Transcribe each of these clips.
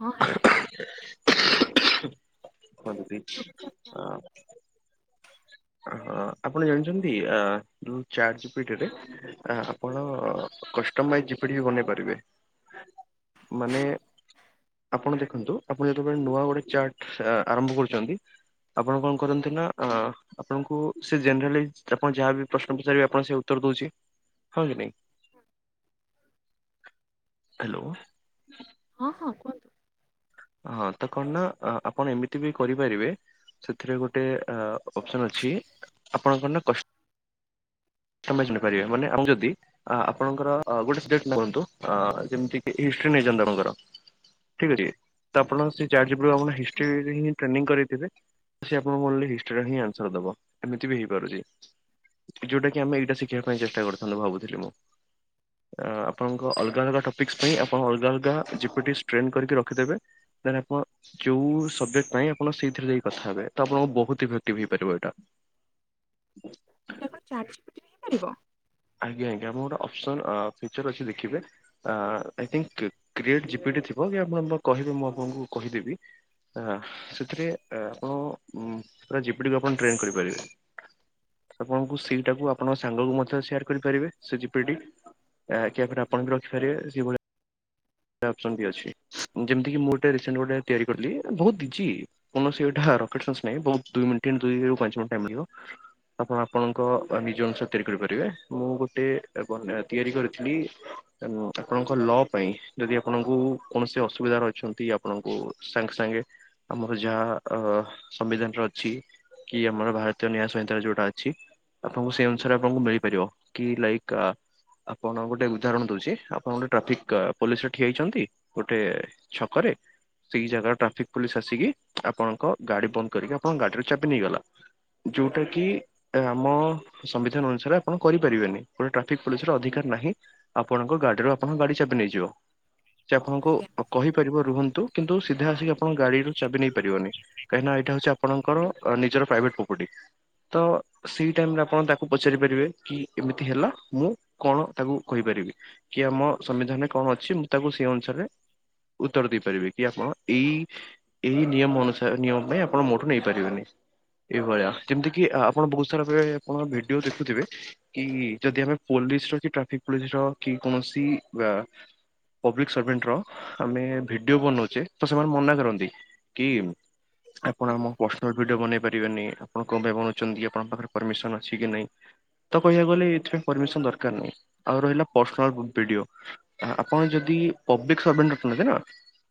ହଁ ହ୍ୟାଲୋ ଭ ଶୁଭ ସନ୍ଧ୍ୟା। [unintelligible] ଆ [inaudible] ହଁ ଆପଣ ଜାଣିଛନ୍ତି ଆ ଯୋଉ ଚାଟ୍ ଜିପିଟି ରେ ଆପଣ ଖ କଷ୍ଟମ ଭାଇ ଜିପିଡ ବି ବନେଇ ପାରିବେ [unintelligible] ମାନେ ଆପଣ ଦେଖନ୍ତୁ ଆପଣ ଯେତେବେଳେ ନୂଆ ଗୋଟେ ଚାର୍ଟ ଆରମ୍ଭ କରୁଛନ୍ତି ଆପଣ କଣ କରନ୍ତି ନା ଆଜ୍ଞା। ଆ ଆପଣଙ୍କୁ ସେ ଜେନେରାଲି ଆପଣ ଯାହା ବି ପ୍ରଶ୍ନ ପଚାରିବେ ଆପଣ ସେ ଉତ୍ତର ଦଉଛି ହଁ କି ନାଇଁ ହ୍ୟାଲୋ ହଁ ହଁ କୁହନ୍ତୁ। ହଁ ତ କଣ ନା ଆ ଆପଣ ଏମିତି ବି କରିପାରିବେ ସେଥିରେ ଗୋଟେ ଅପସନ ଅଛି ଆପଣଙ୍କର ନା କସ ତମେ ଶୁଣି ପାରିବେ ମାନେ ମୁଁ ଯଦି ଆପଣଙ୍କର ଗୋଟେ ସ୍କ୍ରିପ୍ଟ କୁହନ୍ତୁ ଅ ଯେମିତି କି ସ୍କ୍ରିପ୍ଟ ଥିନ ନେଇଛନ୍ତି ଆପଣଙ୍କର ଠିକ୍ ଅଛି ତ ଆପଣ ସେ ଚାଟ୍ ଯେ ପ୍ରକାର ହଉ ଆମ ଆଜ୍ଞା ହିଷ୍ଟରୀରେ ବି ଟ୍ରେନିଂ କରିଥିବେ ସେ ଆପଣଙ୍କୁ ଓନ୍ଲି ହିଷ୍ଟରୀରେ ହିଁ ଆନ୍ସର୍ ଦବ ଏମିତି ବି ହେଇପାରୁଛି ଯୋଉଟା କି କି ଆମେ ଏଇଟା ଶିଖିବା ପାଇଁ ଚେଷ୍ଟା କରୁଥିଲୁ ଭାବୁଥିଲି ମୁଁ ଆ ଆପଣଙ୍କ ଅଲଗା ଅଲଗା ଟପିକ୍ସ ପାଇଁ ଆପଣ ଅଲଗା ଅଲଗା ଜିପୁଟି ଷ୍ଟ୍ରେନ୍ତ କରିକି ରଖିଦେବେ ତାହେଲେ ଆପଣ ଯୋଉ ସବଜେକ୍ଟ ପାଇଁ ଆପଣ ସେଇଥିରେ ଯାଇ କଥା ହେବେ ତ ଆପଣ ବହୁତ ଇଫେକ୍ଟିଭ ହେଇପାରିବ ଏଇଟା ଏଇଟା କଣ ଚା ପାରିବ। ଆଜ୍ଞା ଆଜ୍ଞା ଆମର ଅପସନ୍ ଅ ଫିଚର ଅଛି ଦେଖିବେ ଆଇ ଥିଙ୍କ କ୍ରିଏଟ୍ ଜିପିଟି ଥିବ କି କି ଆପଣ ଆପଣ କହିବେ ମୁଁ ଆପଣଙ୍କୁ କହିଦେବି ହଁ ସେଥିରେ ଏ ଆପଣ ପା ଜିପିକୁ ଆପଣ ଟ୍ରେନ୍ କରିପାରିବେ। ଆପଣଙ୍କୁ ସେଇଟାକୁ ଆପଣଙ୍କ ସାଙ୍ଗକୁ ମଧ୍ୟ ସେୟାର କରିପାରିବେ ସେ ଜିପିଟି ଆ କି ଆପଣଙ୍କୁ ରଖିପାରିବେ ସେଭଳିଆ ଅପସନ୍ ବି ଅଛି ଯେମତି ମୁଁ ଗୋଟେ ରିସେଣ୍ଟ ଗୋଟେ ତିଆରି କରିଥିଲି ବହୁତ କିଛି କୌଣସି ଏଇଟା କୌଣସି ରତ୍କେଶନ ନାହିଁ ବହୁତ୍ ଦୁଇ ମିନିଟ୍ ରୁ ଦୁଇ ରୁ ପାଞ୍ଚ ମିନିଟ୍ ଟାଇମ୍ ମିଳିବ। ଆପଣ ଆପଣଙ୍କ ନିଜ ଅନୁସାରେ ତିଆରି କରିପାରିବେ ମୁଁ ଗୋଟେ ଵନେ ତିଆରି ଏ କରିଥିଲି ଆପଣଙ୍କ ଲ ପାଇଁ ଯଦି ଆପଣଙ୍କୁ କୌଣସି ଅସୁବିଧାରେ ଅଛନ୍ତି ଆପଣଙ୍କୁ ସାଙ୍ଗେ ସାଙ୍ଗେ ଆମର ଯାହା ଅ ଅ ହ ସମ୍ବିଧାନର ଅଛି କି ଆମର ଭାରତୀୟ ନ୍ୟାୟ ସଂହିତା ଯୋଉଟା ଅଛି ଆପଣଙ୍କୁ ସେ ଅ ଅନୁସାରେ ଆପଣଙ୍କୁ ମିଳିପାରିବ କି ଲାଇକ୍ ଆ ଆପଣ ଗୋଟେ ଉଦାହରଣ ଦଉଛି ଆପଣ ଗୋଟେ ଟ୍ରାଫିକ୍ ଆ ପୋଲିସରେ ଠିଆ ହେଇଛନ୍ତି ଗୋଟେ ଛକରେ ସେଇ ଜାଗାରେ ଟ୍ରାଫିକ ପୋଲିସ ଆସିକି ଆପଣଙ୍କ ଗାଡ଼ି ବନ୍ଦ କରିକି ଆପଣଙ୍କ ଗାଡ଼ିରୁ ଚାବି ନେଇଗଲା ଯୋଉଟା କି ଆମ ସମ୍ବିଧାନ ଅନୁସାରେ ଆପଣ କରିପାରିବେନି ଗୋଟେ ଟ୍ରାଫିକ ପୋଲିସର ଅଧିକାର ନାହିଁ ଆପଣଙ୍କ ଗାଡ଼ିରୁ ଆପଣଙ୍କ ଗାଡ଼ି ଚାବି ନେଇଯିବ ସେ ଆପଣଙ୍କୁ କହିପାରିବ ରୁହନ୍ତୁ। ନ୍ତୁ କିନ୍ତୁ ସିଧା ଆସିକି ଆପଣ ଗାଡ଼ିରୁ ଚାବି ନେଇ ପାରିବନି କାହିଁକି ନା ଏଇଟା ହଉଛି ଆପଣଙ୍କ ନିଜର ପ୍ରାଇଭେଟ ପ୍ରପର୍ଟି ତ ସେଇ ଟାଇମ୍ ରେ ଆପଣ ତାକୁ ପଚାରି ପାରିବେ କି ଏମିତି ହେଲା ମୁଁ କଣ ତାକୁ କହିପାରିବି? ରିବି କି ଆମ ସମ୍ବିଧାନରେ କଣ ଅଛି ମୁଁ ତାକୁ ସେ ଅନୁସାରେ ଉତ୍ତର ଦେଇପାରିବେ କି ଆପଣ ଏଇ ଏଇ ନିୟମ ଅନୁସାରେ ନିୟମ ପାଇଁ ଆପଣ ମୋଠୁ ନେଇ ପାରିବେନି। ଏଇଭଳିଆ କେମତି କି ଆପଣ ବହୁତ ସାରା ବଳେ ଆପଣ ଭିଡ଼ିଓ ଦେଖୁଥିବେ କି ଯଦି ଆମେ ପୋ ପୋଲିସର କି ଟ୍ରାଫିକ ପୋଲିସର କି କୌଣସି ଆ ପବ୍ଲିକ୍ ସର୍ଭେଣ୍ଟର ଆମେ ଭିଡ଼ିଓ ବନଉଛେ ତ ସେମାନେ ମନା କରନ୍ତି କି ହଁ ଆପଣ ହଁ ଆମ ପର୍ସନାଲ ଭିଡ଼ିଓ ବନେଇ ପାରିବେନି ଆପଣ କଣ ପାଇଁ ବଉଛନ୍ତି ଆପଣଙ୍କ ପାଖରେ ପରମିସନ ଅଛି କି ନାଇଁ? ତ କହିବାକୁ ଗଲେ ଏଥିପାଇଁ ପରମିସନ ଦରକାର ନାହିଁ ଆଉ ରହିଲା ପର୍ସନାଲ ଭିଡ଼ିଓ ଆ ଆପଣ ଯଦି ପବ୍ଲିକ ସରଭେଣ୍ଟ ଅଛନ୍ତି ନା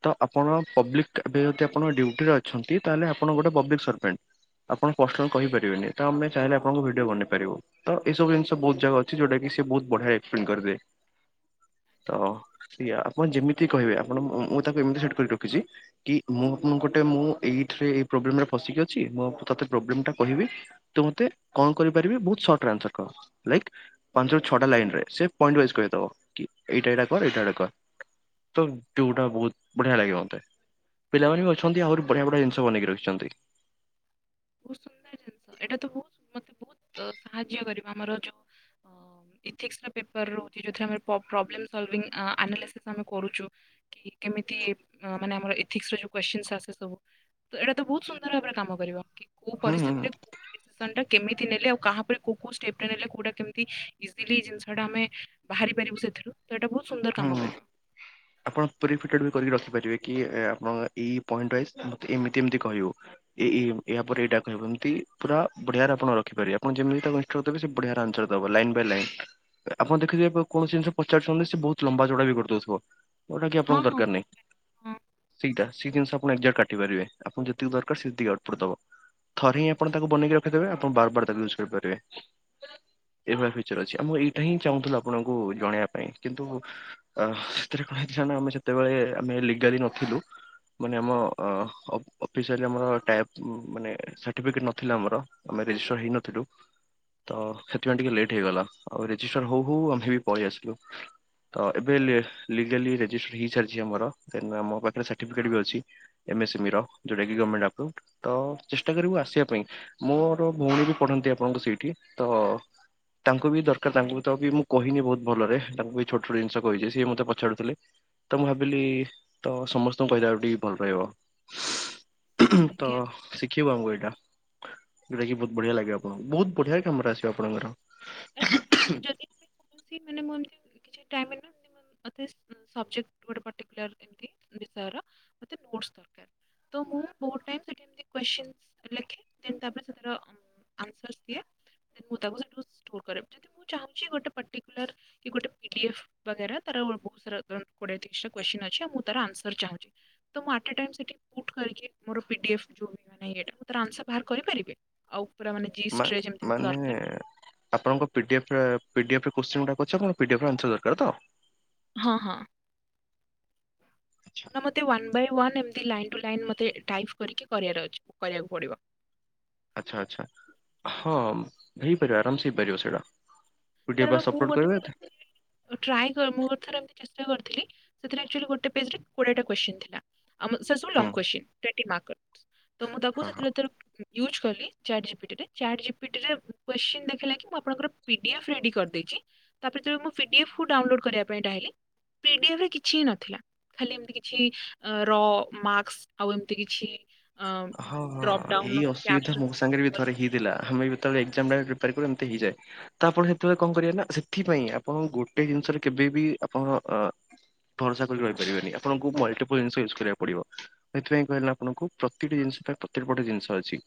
ତ ଆପଣ ପବ୍ଲିକ ଏବେ ଯଦି ଆପଣ ଡ୍ୟୁଟିରେ ଅଛନ୍ତି ତାହେଲେ ଆପଣ ଗୋଟେ ପବ୍ଲିକ ସର୍ଭେଣ୍ଟ। ଆପଣ ପର୍ସନାଲ କହିପାରିବେନି ତ ଆମେ ଚାହିଁଲେ ଆପଣଙ୍କ ଭିଡ଼ିଓ ବନେଇ ପାରିବୁ ତ ଏଇବୁ ଜିନିଷ ବହୁତ ଜାଗା ଅଛି ଯୋଉଟା କି ସେ ବହୁତ ବଢ଼ିଆ ଏକ୍ସପ୍ଲେନ୍ କରିଦିଏ। ତ ଆଚ୍ଛା ଯଦି ଆପଣ ଯେମିତି କହିବେ ଆପଣ ମୁଁ ତାକୁ ଏମିତି ସେଟ୍ କରି ରଖିଛି କି ମୁଁ ମୁଁ ଗୋଟେ ମୁଁ ଏ ଏଇଥିରେ ଆଇ ପ୍ରବ୍ଲେମ୍ ରେ ଫସିକି ଅଛି ମୁଁ ଆଉ ତତେ ପ୍ରବ୍ଲେମ୍ ଟା କହିବି ତୁ ମତେ କଣ କରିପାରିବି ବୋ ପଟରେ ଆନସାର କହ ଲାଇକି ପାଞ୍ଚରୁ ଛଅଟା ଲାଇନରେ ସେ ପଏଣ୍ଟ ୱାଇଜ କହିଦବ କି ଏଇଟା ଏଟା [unintelligible] ଯେଉଟା ବହୁତ ବଢିଆ ଲାଗେ ମତେ। ପିଲାମାନେ ବି ଯାହା ଅଛନ୍ତି ଆହୁରି ବଢିଆ ବଢିଆ ଜିନିଷ ବନେଇକି ରଖିଛନ୍ତି। ବହୁତ ସୁନ୍ଦର ଜିନିଷ ଏଇଟା ତ ବହୁତ ମତେ ବହୁତ ସାହାଯ୍ୟ କରିବ ଆମର ଯୋଉ ଉ ହଁ। ଇଥିକ୍ସର ପେପର ରହୁଛି ଯଉଥିରେ ଆମ ପ-ପ୍ର-ପ୍ରୋବ୍ଲେମ୍ ସଲ୍ଭିଇଂ ଆ ଆନାଲିସିସ୍ ଆମେ କରୁଛୁ କି କେମି ତି ଉଁ ମାନେ ଆମର ଏଥିକ୍ସ ର ଯଉ କୋଷ୍ଚିନ୍ ଆସେ ସବୁ ତ ଏଇଟା ତ ବହୁତ ସୁନ୍ଦର ଭାବରେ କାମ କରିବ କି କୋଉ ହୁଁ ହୁଁ ପରିସ୍ଥିତିରେ କୋଉ ଡିସିସନ ଟା କେମିତି ନେଲେ ଆଉ କାହାପରେ କୋଉ କୋଉ ଷ୍ଟେପଟା ନେଲେ କୋଉଟା କେମିତି ଇଜିଲି ଜିନିଷଟା ଆମେ ବାହାରି ପାରିବୁ ସେଥିରୁ ତ ଏଇଟା ବହୁତ ସୁନ୍ଦର ହୁଁ କାମ କରିବ। ଆପଣ [unintelligible] ଫିଟ କରିକି ରଖିପାରିବେ। କି ଆପଣଙ୍କ ଏଇ ପଏଣ୍ଟ ୱାଇଜ ମତେ ଏମତି ଏମତି କହିବୁ ଏ ଏ ୟାପରେ ଏଇଟା କହିବ ଏମତି ପୁରା ବଢିଆରେ ଆପଣ ରଖିପାରିବେ ଆପଣ ଯେମିତି ତାକୁ [unintelligible] ଦେବେ ସେ ବଢିଆରେ ଆନସାଦେବ ର ଲାଇନ୍ ବାଇ ଲାଇନ୍ ଆପ ଦେଖି ଆପଣ କୌଣସି ଜିନିଷ ପଚାରୁଛନ୍ତି ସେ ବହୁତ ଲମ୍ବା ଚଉଟା ବି କରି ଦଉଥିବ ଯଉଟା କି ହଁ, ଆପଣଙ୍କୁ ହଁ, ଦରକାର ନାହିଁ ହଁ, ସେଇଟା ସେ ଜିନିଷ ଆପଣ ଏକ୍ଜାଟ କାଟି ପାରିବେ ଆପଣ ଯେତିକି ଦରକାର ସେତିକି ଆଉଟପୁଟ୍ ଦବ। ଥରେ ହିଁ ଆପଣ ତାକୁ ବନେଇକି ରଖିଦେବେ ଆପଣ ବାରବାର ତାକୁ ୟୁଜ କରିପାରିବେ। ଏଇ ଭଳିଆ ଫିଚର ଅଛି ଆମ ଏଇଟା ହିଁ ଚାହୁଁଥିଲୁ ଆପଣଙ୍କୁ ଜଣେଇବା ପାଇଁ କିନ୍ତୁ ଆ ସେଥିରେ କଣ ହେଇଥିଲା ନା ଆମେ ଯେତେବେଳେ ଆମେ ଲିଗାଲି ନଥିଲୁ ମାନେ ଆମ ଅ-ଅ-ଅଫିସିଆଲି ଆମର ଟାଏପ୍ ମାନେ ସାଆର୍ଟିଫିକେଟ ନଥିଲା ଆମର ଆମେ ଶ [unintelligible] ହେଇନଥିଲୁ ତ ଆଜ୍ଞା, ସେଥିପାଇଁ ଟିକେ ଲେଟ୍ ହେଇଗଲା ଆଉ ରେଜିଷ୍ଟର ହଉ ହଉ ଆମେ ବି ପଳେଇ ଆସିଲୁ। ତ ଏବେ ଲେ-ଲିଗାଲି ରେଜିଷ୍ଟର ହେଇସାରିଛି ଆମର ଦେନ୍ ମୋ ପାଖରେ ସାର୍ଟିଫିକେଟ ବି ଅଛି। ଏମସିମିର ଯଉଟାକି ଗମେଣ୍ଟ ଆପ୍ରୁଭ ତ ଚେଷ୍ଟା କରିବୁ ଆସିବା ପାଇଁ ମୋର ଭଉଣୀ ବି ପଢ଼ନ। ନ୍ତି ଆପଣଙ୍କୁ ସେଇଠି ତ ତାଙ୍କୁ ବି ଦରକାର ତାଙ୍କୁ ତ ବି ମୁଁ କହିନି ବହୁତ ଭଲରେ ତାଙ୍କୁ ବି ଛୋଟ ଛୋଟ ଜିନିଷ କହିଛି ସିଏ ମତେ ପଚାରୁୁଥିଲେ ତ ମୁଁ ଭାବିଲି ତ ସମସ୍ତଙ୍କୁ କହିଦେଲେ ଆଉ ଟିକେ ଭଲ ରହିବ। ତ ଆଜ୍ଞା। ଶିଖେଇିବ ଆମକୁ ଏଇଟା ଯଉଟା କିି ବହୁତ ବଢିଆ ଲାଗିବ ବ ବହୁତ ବଢିଆ କାମରେ ଆସିବ ଆପଣଙ୍କର। ଆଚ୍ଛା ଯଦି [unintelligible] କୌଣସି ମାନେ ମୁଁ ଏମିତି କିଛି ଟାଇମିଂ ରେ [unintelligible] ସବଜେକ୍ଟ ଗୋଟେ ପଟିକୁଲାର ଦିଅନ୍ତି ବିଷୟର ମତେ ନୋଟସ୍ ଦରକାର ତ ମୁଁ ମୋର୍ ଟାଇମ୍ ସେଇଠି ଏମ୍ତି କ୍ୱେଶ୍ଚିନ୍ ଲେଖେ ଦେନ୍ ତାପରେ ସେଥିର ଆନ୍ସାର୍ କି ଦିଏ ଦେନ ମୁଁ ତାକୁ ସେଥିରୁ ଯଦି ମୁଁ ଚାହୁଁଚି ଗୋଟେ ପଟିକୁଲାର୍ କି ଗୋଟେ ପି ଡି ଏଫ୍ ବଗେରା ତାର ବହୁତ୍ ସାରା ଗ୍ର [unintelligible] କ୍ୱେଶ୍ଚିନ୍ ଆଉ ମୁଁ ତାର ଆନ୍ଶାର୍ ଚାହୁଁଚି, ତ ମୁଁ ସେଇଠି ଆଟ୍ଟେ ଟାଇମ୍ ପୁଟ୍ କରିକି ମୋର ପି ଡି ଏଫ୍ ଯୁ [unintelligible] ମୁଁ ତାର ଆନ୍ସର୍ ବାହାର୍ କରିପାରିବି? ଆଉ ପୁରା ମାନେ ମା ଜିଷ୍ଟ୍ ରେ ମତେ ଯେମ୍ତି ମାନେ ଦରକାର୍? ଆପଣଙ୍କ ପି ଡି ଏଫ୍ ରେ - ପି ଡି ଏଫ୍ ରେ କୋଶ୍ଚିନ୍ ଗୁଡାକ ଅଛି ଆପଣଙ୍କୁ ପି ଡି ଏଫ୍ ର ଆନ୍ସର ଦରକାର ତ ହଁ - ହଁ ନା ମୋତେ ୱାନ୍ ବାଇ ୱନ୍ ଏମତି ଲାଇନ୍ ଟ ଲାଇନ୍ ମତେ ଟାଇପ କରିକିି କରିବାର୍ ଅଛି କରିବାକୁ ପଡ଼ିବ। ଆଛା ଆଛା ହଁ ହେଇପାରିବ ଆରାମସ ହେଇପାରିବ ସେଇଟା ପିଡିଏଫ୍ କାରଣ ବାସ୍ ମୁଁ ଅପଲୋଡ୍ ଗୋଟେ କରିବେ ଥର ଏମତି ଟ୍ରାଏ କରି ମୁଁ ଗୋଟେ ଥର ଏମତି ଚେଷ୍ଟା କରିଥିଲି ସେଥିରେ ଅକ୍ଚୋଲି ଗୋଟେ ପେଜ୍ରେ ଆମ ସେ ସବୁ ହୁଁ ଲଂ କୌଶ୍ଚ୍ଚିଁ ହଁ ହଁ। ୟୁଜ୍ କଲି ଚାଟ୍ ଯିପିଟିରେ ଜିପିଟିରେ କୋସ୍ଚିନ୍ ଦେଖିଲା କି ମୁଁ ଆପଣଙ୍କର ପି ଡି ଏଫ୍ [unintelligible] କରିଦେଇଛି ତାପରେ ଯଦି ମୁଁ ପି ଡି ଏଫ୍ କୁ ଡାଉନଲୋଡ୍ କରିବା ପାଇଁ ଡ଼ଆ ପି ଡି ଏଫ ରେ କିଛି ହିଁ ନଥିଲା ଖାଲି ଏମତି କିଛି ର ମାକ୍ସ ଆଉ ଏମିତି କିଛି ହଁ - ହଁ ଡ୍ରପ୍ ଡାଉନ୍ ଏଇ ଅସୁବିଧା କ୍ୟାପ୍ସ ମୋ ସାଙ୍ଗରେ ବି ଥରେ ହେଇଥିଲା, ଆମେ ବି ଯେତେବେଳୋ ଏଗ୍ଜାମ୍ ପାଇଁ ପ୍ରିପେର୍ କରୁ ଏମ୍ତି ହେଇଯାଏ ତ ଆପଣ ସେତେବେଳେ କଣ ସେଥିାଇଁ ଆପଣ ଗୋଟେ ରେ କେବେ ବିି ଆପଣଙ୍କର ଅ ଭରସା କରି କହି ପାରିବେନି ଆପଣଙ୍କୁ ମଲଟିପଲ ଜିନିଷ ୟୁଜ୍ କରିବାକୁ ପଡିବ ସେଇଥିପାଇଁ କହିଲା ଆପଣଙ୍କୁ ପ୍ରତିଟି ଜିନିଷ ପାଇଁ ପ୍ରତିଟି ବଟେ ଜିନିଷ ଅଛି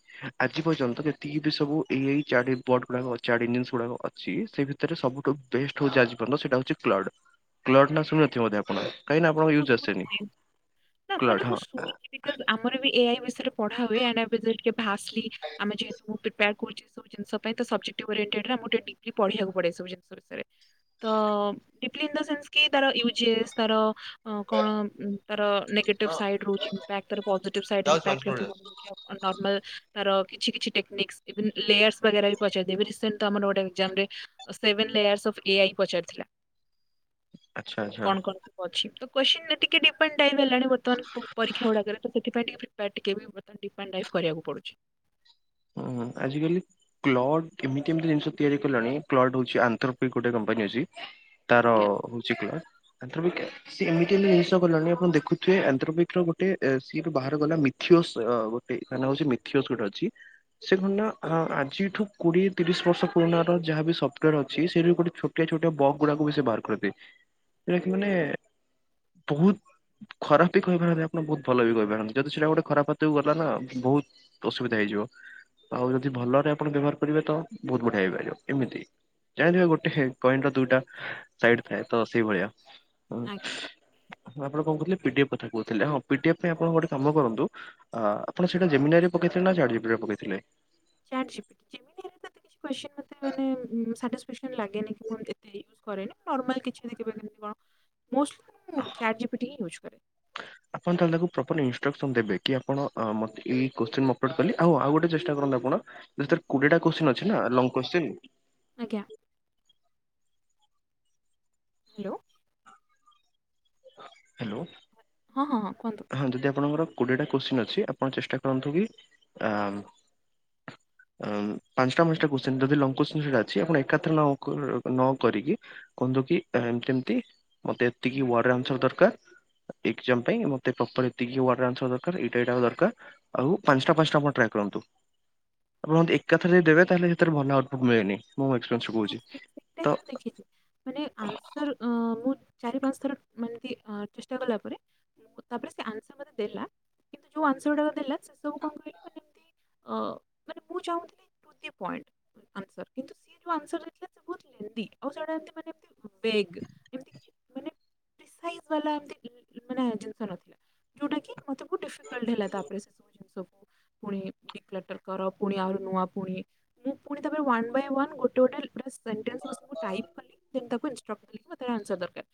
ଆଜି ପର୍ଯ୍ୟନ୍ତ ଯେତିକି ବି ସବୁ ଏଇ ଏଇ ଚାରି ବର୍ଡ ଗୁଡା ଛାଡ଼ି ନିଅ ସେଗୁଡା ଅଛି ସେ ଭିତରେ ସବୁଠୁ ବେଷ୍ଟ ହଉଛି ଆଜି ପର୍ଯ୍ୟନ୍ତ ସେଟା ହଉଛି କ୍ଲଡ। କ୍ଲଟ ନା ଶୁଣି ଥିବେ ବୋଧେ ଆପଣ। କାହିଁକି ନା ଆପଣଙ୍କ ମୁଁ ୟୁଜ୍ ଆସେନି ଶୁଣିଛି କ୍ଲଡ୍ ମାନେ ମୁଁ ହଁ। ଶୁଣିଛି ବିକଜ୍ ଆମର ଏଇ ସେ ବିଷୟରେ ପଢ଼ା ହୁଏ [inaudible] ଆମେ ଯେହେତୁ ପ୍ରେପର୍ କରୁଛୁ ସବୁ ଜିନିଷ ପାଇଁ ଟା ସଭେକ୍ଟ ରେ ଡିପ୍ଲି ପଢିବାକୁ ପଢ଼େ ସବୁ ଜିନିଷ ବିଷୟରେ। ତ ଡୀପ୍ଲି ଇନ୍ ଦ ସେନ୍ସ କି ତାର ୟୁଜେସ ତାର କଣ ତାର ନେଗେଟିଭ୍ ହଁ ସାଇଡ ରହୁଛି ଇମ୍ପାକ୍ଟ ତାର ପୋଜିଟିଭ ସାଇଡ ଯାଉଛି ମାନସ ଇମ୍ପାକ୍ଟ୍ ମୋର କେମିତି କଣ ଯାଉଛି। ରହୁଛି ଅମଲ୍। ତାର କିଛି କିଛି ଟେକ୍ନିକ୍ସ ଇଭେନ୍ ଲେୟାର୍ସ ବଗେରା ବି ପଚାରି ଦିଏ ଏବେ ରିସେଣ୍ଟ ଟା ଆମର ଗୋଟେ ଏକ୍ସାମ୍ ରେ ସେ ଲେୟାର୍ସ ଅଫ୍ ଏ ଆଇ ପଚାରିଥିଲା। ଆଚ୍ଛା ଆଚ୍ଛା କଣ କଣ ସବୁ ଅଛି ତ କ୍କ୍ୱେଶ୍ଚିନ ଏତିକି ଡିପେଣ୍ଡ ଟାଇପ ହେଇଗଲାଣି ବର୍ତ୍ତମାନ ପରୀକ୍ଷା ଗୁଡାକରେ ତ ସେଥିପାଇଁ ଟେ ଫ ଟିକେ ବିତଡିପଣ୍ଡ୍ରାଇ୍ କରିବାକୁ ପଡୁଛି [inaudible] ହୁଁ ଆଜିକାଲି କ୍ଲଟ ଏମିତି ଏମତି ଜିନିଷ ତିଆରି କଲାଣି କ୍ଲଟ୍ ହଉଛି ଆନ୍ଥରପିକ ଗୋଟେ କମ୍ପାନୀ ଅଛି। ତାର ଆଜ୍ଞା ହଉଚ [inaudible] ସିଏ ଏମିତି ଏମିତି ଜିନିଷ ଗଲାଣି ଆପଣ ଦେଖୁଥିବେ ଆନ୍ଧ୍ରପିକ ର ଗୋଟେ ସିଏଠୁ ବାହାର ଗଲା ମିଥିଓ ତା ନା ହେଉଛି ମିଥିଅସ ଗୋଟେ ଅଛି। ସେ କଣ ନା ଆଜିଠୁ କୋଡିଏ ତିରିଶ ବର୍ଷ ପୁରୁଣ ର ଯାହାବ ବି ସଫ୍ଟୋର ଅଛି ସେଠୀ ଗୋଟେ ଛୋଟିଆ ଛୋଟ ବକ ଗୁଡାକୁ ବି ସେ ବାହାର କରିଦିଏ ସେଟା କି ମାନେ ବହୁତ ଖରାପ ବି କହିପାରନ୍ତି ଆପଣ ବହୁତ ଭଲ ବି କହିପାରନ୍ତି ଯଦି ସେଇଟା ଗୋଟେ ଖରାପ ହାତକୁ ଗଲା ନା ବହୁତ ଅସୁବିଧା ହେଇଯିବ। ଆଉ ଯଦି ଭଲରେ ଆପଣ ବ୍ୟବହାର କରିବେ ତ ବହୁତ ବଢିଆ ହେଇପାରିବ ଏମିତି। ଜାଣିଥିବା ଗୋଟେ ପଏଣ୍ଟ ର ଦୁଇଟା ସାଇଡ ଥାଏ ତ ସେଇ ଭଳିଆ। [inaudible] ଆଜ୍ଞା ଆପଣ କଣହୁଥିଲେ ପିଡିଏଫ୍ କଥା କହୁଥିଲେ ହଁ ପିଡିଏଫ ପାଇଁ ଆପଣ ଗଟେ କାମ କରନ୍ତୁ ଆପଣ ସେଇଟା ଜମିନାଇ ପକେଇଥିଲେ ନା ଚାଟଜିପିଟି। ଦୂରେ ପକାଇଥିଲେ। ଚାଟଜୀପିଟି [inaudible] ଏତେ କ୍ୱେଶ୍ଚିନ ମାନେ ସାଟି ଲଗେନି କି ମୁଁ ଏତେ ୟୁଜ୍ କରେନି ନର୍ମାଲ କିଛି ଏମିତି କେବେ କେମତି କଣ। ମ [inaudible] ମୁଁ ଚାଟ ଜିପିଟ ହିଁ ୟୁଜ କରେ। ଆପଣ ତାହେଲେ ତାକୁ ପ୍ରପର ଇନଷ୍ଟ୍ରକ୍ସନ ଦେବେ କି ଆପଣ ଅ ମୋତେ ଏଇ କ୍ୱେଶ୍ଚିନ୍ ଅପ୍ଲୋଡ କଲି ଆଉ ଆଉ ଗୋଟେ ଚେଷ୍ଟା କରନ୍ତୁ ଆପଣ କୋଡିଏ ଟା କ୍ଵେଶ୍ଚିନ। ଅଛି ନା ଲଙ୍ଗ କଶ୍ଚିନ। ଆଜ୍ଞା। ହ୍ୟାଲୋ। ହ୍ୟାଲୋ। ହଁ-ହଁ-ହଁ କୁହନ୍ତୁ। କୋଡ଼ିଏଟା କୋଶ୍ଚିନ୍ ଅଛି, ଆପଣ ଚେଷ୍ଟା କରନ୍ତୁ କି ଆ [inaudible] ଆଁ ପାଞ୍ଚଟା ପାଞ୍ଚଟା କୋଶ୍ଚିନ ଯଦି ଲଙ୍ଗ କୋଶ୍ଚିନ ସେଇଟା ଅଛି, ଆପଣ ଏକାଥରେ ନ-କ-ନ କରିକି କୁହନ୍ତୁ କି ଏମତି ଏମତି, ମତେ ଏତିକି ୱାର୍ଡ଼ରେ ଆନ୍ସର୍ ଦରକାର ଏକ୍ଜାମ ପାଇଁ ମୋତେ ପ୍ରପର ଏତିକି ହି ୱାର୍ଡ଼ରେ ଆନ୍ସର୍ ଦରକାର, ଏଇଟା ଏଟା ଦରକାର ଆଉ ପାଞ୍ଚଟା ପାଞ୍ଚଟା ଆପଣ ଟ୍ରାଏ କର ରନ୍ତୁ। ଆପଣ ଯଦି ଏକାଥରେ ଯଦି ଦେବେ ତାହେଲେ ସେଥିରେ ଭଲ ଆଉଟପୁଟ ମିଳେନି। ମୋ ଏକ୍ସପିରିଏନସ୍ ରୁ ହଁ କହୁଛି, ସେଇ ସେଇଟା ହିଁ ତ ମୁଁ ଦେଖିଛି। ମାନେ ଆନ୍ସର ଅଁ, ମୁଁ ଚାରି ପାଞ୍ଚ ଥର ମାନେ ଏମତି ଚେଷ୍ଟା କଲା ପରେ ତାପରେ ସେ ଆନ୍ସର ମୋତେ ଦେଲା କିନ୍ତୁ ଯୋଉ ଆନ୍ସର ଗୁଡାକ ଦେଲା ସେ ସବୁ କଣ କହିଲେ ମାନେ ଅ ମାନେ ମୁଁ ଚାହୁଁଥିଲି ଗୋଟିଏ ପଇଣ୍ଟ ଆନ୍ସର୍। କିନ୍ତୁ ସିଏ ଯୋଉ ଆନସର୍ ଦେଇଥିଲା ବହୁତ୍ ଲେନ୍ଦି ଆଉ ସେଗୁଡ଼ାକ ଏମିତି ମାନେ ଫେକ ଯେମତି ବାଲା ଏମତି [unintelligible] ବହୁତ ଡିଫିକଲ୍ଟ ହେଲା ତାପରେ ସେ ସବୁ ଜିନିଷକୁ ପୁଣି ହେଲ୍ପରର ପୁଣି ଆହୁରି ନୂଆ ପୁଣି ମୁଁ ପୁଣି ତାପରେ ୱାନ ବାଏ ୱାନ ଗୋଟେ ଗୋଟେ ଲ ମାନେ ସି [unintelligible] ତାର ଆନ୍ସର୍ ଦରକାର।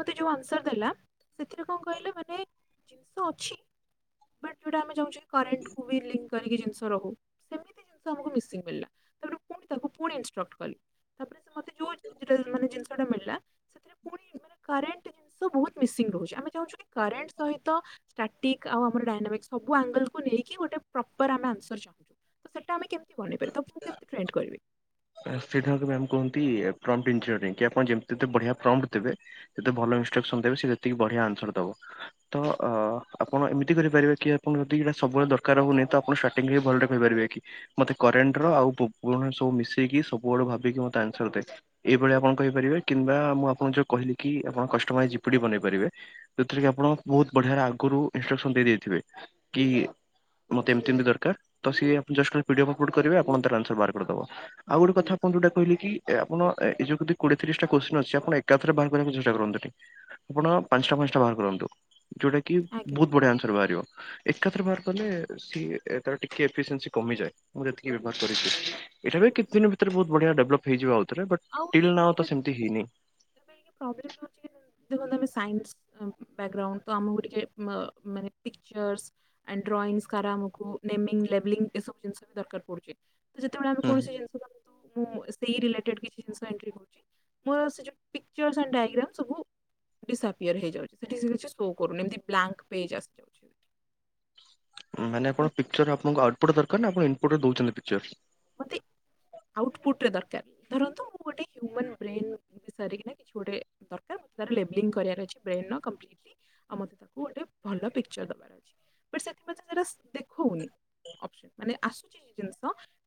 ମତେ ଯୋଉ ଆନ୍ସର୍ ଦେଲା, ସେଥିରେ କଣ କହିଲେ ମାନେ ଜିନିଷ ଅଛି ବଟ ଯୋଉଟା ଆମେ ଚାହୁଁଛେ କି କରେଣ୍ଟକୁ ବି ଲିଙ୍କ କରିକି ଜିନିଷ ରହୁ, ସେମିତି ଜିନିଷ ଆମକୁ ମିଶିଂ ମିଳିଲା। ତେଣୁ ପୁଣି ତାକୁ ପୁଣି ଇନଷ୍ଟ୍ରକ୍ଟ କଲି। ତାପରେ ମତେ ଯୋଉ ଜିନିଷଟା ମାନେ ଜିନିଷଟା ମିଳିଲା ସେଥିରେ ପୁଣି କରେଣ୍ଟ ବହୁତ୍ ମିସିଂ ରହୁଛି। ଆମେ ଚାହୁଁଛୁ କି କରେଣ୍ଟ ସହିତ ଷ୍ଟାଟିକ ଆଉ ଆମର ଡାଇନାମିକ ସବୁ ଆଙ୍ଗଲକୁ ନେଇ କି ଗୋଟେ ପ୍ରପର୍ ଆମେ ଆନ୍ସର ଚାହୁଁଚୁ। ସେଟା ଆମେ କେମତି ବନେଇ ପାରିବୁ, ତାକୁ କେମତି କ୍ରିଏଟ କରିବି? ସେଇଟା ହଉଚି ମ୍ୟାମ୍ କହନ୍ତି ପ୍ରମ୍ପଟିଂଥିଅରିଂ। କି ଆପଣ ଯେମତି ବଢିଆ ପ୍ରମ୍ପ୍ଟ ଦେବେ, ସେତେ ଭଲ ଯେମତି ଇନଷ୍ଟ୍ରକ୍ସନ ଦେବେ ସେତିକି ବଢିଆ ଆନ୍ସର୍ ଦବ। ତ ଆପଣ ଏମିତି କରିପାରିବେ କି ଆପଣ ଯଦି ଏଇରା ସବୁବେଳେ ଦରକାର ହଉନି ତ ଆପଣ ଷ୍ଟାଟିଙ୍ଗ ବି ଭଲରେ କରିପାରିବେ। କି ମୋତେ କରେଣ୍ଟର ଆଉ ପୁରୁଣା ସବୁ ମିଶିକି ଦେଇକି ସବୁଆଡୁ ଭାବିକି ମୋତେ ଆନସର ଦେ। ଏଇଭଳିଆ ଆପଣ କହିପାରିବେ କିମ୍ବା ମୁଁ ଆପଣଙ୍କୁ ଯୋଉ କହିଲି କି ଆପଣ କଷ୍ଟମାଇଜ ଜି ପି ଟି ବନେଇପାରିବେ। ଯୋଉଥିରେ କି ଆପଣ ବହୁତ୍ ବଢିଆ ଆଗରୁ ଇନଷ୍ଟ୍ରକସନ ଦେଇଦେଇଥିବେ କି ମତେ ଏମତି ଏମତି ଦରକାର ତ ସିଏ just P D F upload କରିବେ, ଆପଣ ଆନ୍ସର ତାର ବାହାର କରିଦବ। ଆଉ ଗୋଟେ କଥା ଆପଣ ଯୋଉଟା କହିଲେ କି ଆପଣ ଏ ଯୋଉ ଯଦି କୋଡିଏ ତିରିଶଟା କୋଶ୍ଚିନ ଅଛି। ଆପଣ ଏକାଥରେ ବାହାର କରିବାକୁ ଚେଷ୍ଟା କରନ୍ତୁନି। ଆପଣ ପାଞ୍ଚଟା ପାଞ୍ଚଟା ବାହାର କରନ୍ତୁ। ଯୋଉଟାକି ଆଜ୍ଞା ବହୁତ ବଢିଆ ଆନ୍ସର ବାହାରିବ। ଏକାଥରେ ବାହାର କଲେ ସିଏ ତାର ଟିକେ ଇଫେଶିଏନ୍ସି କମିଯାଏ। ମୁଁ ଯେତିକି ବ୍ୟବହାର କରିଛି। ଏଟା ବି ଠିକ୍ ଛି ହୁଁ। ଦିନ ଭିତରେ ବହୁ ବଢିଆ ଡେଭଲପ୍ ହେଇଯିବ ଆଉ। ଭିତରେ ବଟ୍ ଆଉ ଟିଲ ନାଓ ଏବେ ତ ସେମିତି ହେଇନି। ପାଇଁ ଟିକେ ପ୍ରୋବ୍ଲେମ ରହୁଛି କି ଦେଖନ୍ତୁ ଆମେ ସାଇନ୍ସ ବ୍ୟାଗ୍ରାଉଣ୍ଡ ତ ଆମକୁ ଟିକେ ଅ ମାନେ ପିକଚର୍ସ ଆଣ୍ଡ ଡ୍ରଇଂସ କରା ଆମକୁ ନେମିଂ ଲେବଲିଂ ଏସବୁ ଜିନିଷ ଦରକାର ପଡୁଚି। ଯେତେବେଳେ ଆମେ ହୁଁ କୌଣସି ଜିନିଷକୁ [unintelligible] ମୁଁ ସେଇ ରିଲେଟେଡ୍ କି ଜିନିଷ ଏଣ୍ଟ୍ରି କରୁଛି ମୋର ସେ ଯୋଉ ପିକଚର୍ସ ଆଣ୍ଡ ଡାଇଗ୍ରାମ ସବୁ ଡିିସଆପିଅର ହେଇଯାଉଛି। ସେଠି ସେ କିଛି ସୋ କରୁନି, ଏମତି ବ୍ଲାଙ୍କ ପେଜ ଆସିଯାଉଛି। ମାନେ ଆପଣ ତ ପିକଚର ଆପଣଙ୍କୁ ଆଉଟପୁଟ ଦରକାର ନା, ଆପଣ ଇନପୁଟରେ ଦଉଛନ୍ତି ପିକଚର୍ସ? ମତେ ଆଉଟପୁଟରେ ଦରକାର। ଧରନ୍ତୁ ମୁଁ ଗୋଟେ ହ୍ୟୁମାନ ବ୍ରେନ୍ ସାରିକିନା କିଛି ଗୋଟେ ଦରକାର ଲେବଲିଂ କରିଆର ଅଛି ବ୍ରେନର କମ୍ପଲିଟଲି, ଆଉ ମତେ ତାକୁ ଗୋଟେ ଭଲ ପିକଚର ଦବାର ଅଛି। ବଟ ସେଥିରେ [unintelligible] ଦେଖଉନି। ଅପସନ୍ ମାନେ ଆସୁଛି ଏ ଜିନିଷ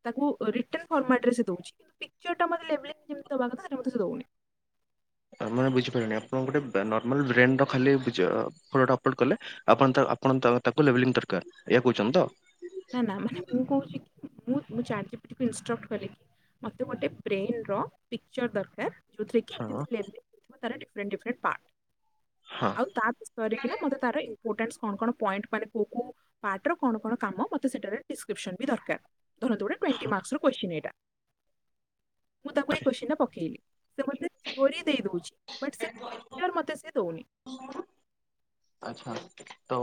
ତାକୁ ରିଟର୍ନ ଫର୍ମାଟରେ ସେ ଦଉଛି, ପିକଚରଟା ମତେ ଲେବଲିଂ ଯେମତି ଦବା କଥା ସେଇଟା ସେ ମତେ ଦଉନି। ମାନେ ବୁଝିପାରୁନି ଆପଣ ଗୋଟେ ନର୍ମାଲ ବ୍ରେନର ଖାଲି ପିଚ ଫଟଟା ଅପଲୋଡ କଲେ। ଆପଣ ତାର ଆପଣ ତ ତାକୁ ଲେବଲିଙ୍ଗ ଦରକାର, ଏୟା କହୁଚନ୍ତି ତ? ନା-ନା ମାନେ ମୁଁ କହୁଚି କି ମୁଁ ମୁଁ ଚାଟ୍ ଜି ପି ଟି କୁ ଇନଷ୍ଟ୍ରକ୍ଟ କଲି ମତେ ଗୋଟେ ବ୍ରେନର ପିକ୍ଚର୍ ଦରକାର ଯୋଉଥିରେ କି ଏମିତି ହଁ ଏମିତି ଲେବଲିଙ୍ଗି ହେଇଥିବ ତାର ଡିଫ୍ରେଣ୍ଟ ଡିଫ୍ରେଣ୍ଟ ପାଟ। ହଁ ଆଉ ବିଷୟରେ କିନା ମତେ ତାର ମ୍ପୋଟାନ୍ସ କଣ କଣ ପଏଣ୍ଟ ମାନେ କୋଉ କୋଉ ପାର୍ଟର କଣ କଣ କାମ ମତେ ସେଟାର ଡିଷ୍କ୍ରିପସନ୍ ବି ଦରକାର। ଧରନ୍ତୁ ଗୋଟେ ଟ୍ବେଣ୍ଟି ମାର୍କସର କ୍ୱେଶ୍ଚିଁ ଏଇଟା ମୁଁ ତାକୁ ଏଇ କୋଶ୍ଚି ଟା ପକେଇଲି। ସେ ମୋତେ ଷ୍ଟୋରୀ ଦେଇଦୋଉଛି ବଟ ସେ ପିକ୍ଚର୍ ମତେ ସେ ଦୋଉନି। ଆଚ୍ଛା ତ